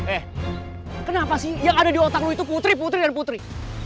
eh kenapa sih yang ada di otak lo itu putri putri dan putri